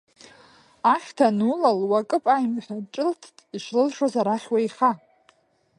Ахьҭа анулал, уакып аимҳәа, ҿылҭт ишлылшоз, арахь уеиха!